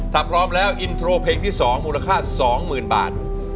ถ้าพร้อมแล้วอินโทรเพลงที่สองมูลค่าสองหมื่นบาท